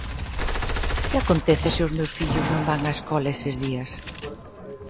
Que acontece se os meus fillos non van á escola eses días?